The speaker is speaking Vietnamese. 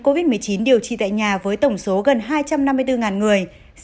covid một mươi chín điều trị tại nhà với tổng số gần hai trăm năm mươi bốn người